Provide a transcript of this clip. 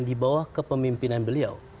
di bawah kepemimpinan beliau